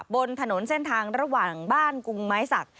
บนถนนเส้นทางระหว่างบ้านกรุงไม้สัก